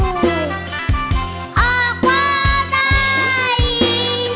กว่าได้